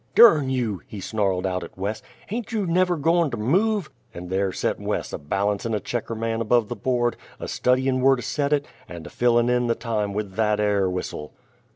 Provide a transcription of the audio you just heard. "Durn you!" he snarled out at Wes, "hain't you never goern to move?" And there set Wes, a balancin' a checker man above the board, a studyin' whur to set it, and a fillin' in the time with that air whistle.